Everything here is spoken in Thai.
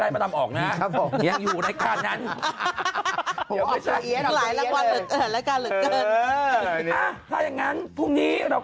ได้มาทำออกนะยังอยู่รายการนั้นถ้ายังงั้นพรุ่งนี้เรา